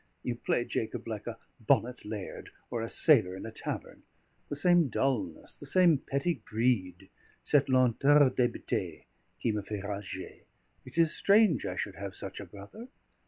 You play, Jacob, like a bonnet laird, or a sailor in a tavern. The same dulness, the same petty greed, cette lenteur d'hébété qui me fait rager; it is strange I should have such a brother.